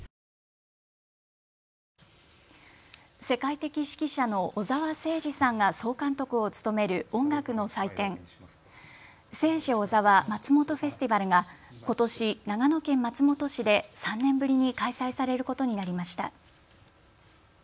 世界的指揮者の小澤征爾さんが総監督を務める音楽の祭典、セイジ・オザワ松本フェスティバルがことし長野県松本市で３年ぶりに開催されることになりました。